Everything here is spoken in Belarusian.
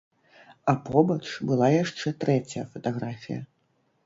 А побач была яшчэ трэцяя фатаграфія.